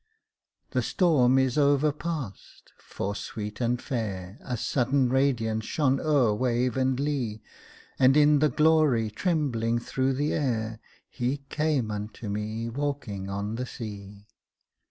The storm is overpast, for sweet and fair A sudden radiance shone o'er wave and lea; And in the glory trembling through the air, He came unto me walking on the sea.